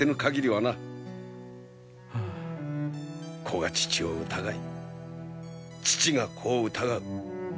子が父を疑い父が子を疑う。